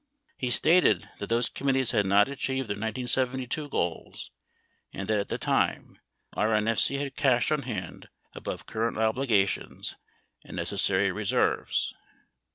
23 He stated that those committees had not achieved their 1972 goals and that at that time RNFC had cash on hand above current obligations and necessary reserves.